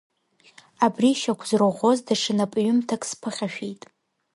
Абри шьақәзырӷәӷәоз даҽа напҩымҭак сԥыхьашәеит.